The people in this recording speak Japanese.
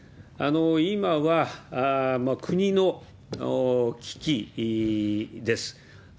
今は国の危機です。